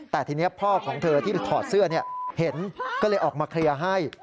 แต่ทีนี้พ่อของเธอที่ถอดเสื้อเห็นก็เลยออกมาเคลียร์ให้